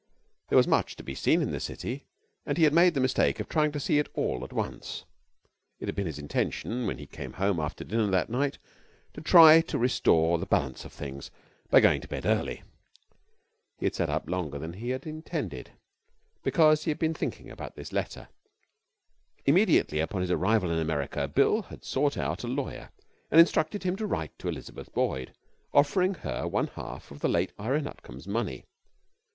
There was much to be seen in the city, and he had made the mistake of trying to see it all at once. It had been his intention, when he came home after dinner that night, to try to restore the balance of things by going to bed early. He had sat up longer than he had intended, because he had been thinking about this letter. Immediately upon his arrival in America, Bill had sought out a lawyer and instructed him to write to Elizabeth Boyd, offering her one half of the late Ira Nutcombe's money.